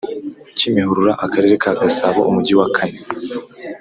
Kimihurura Akarere ka Gasabo Umujyi wa kane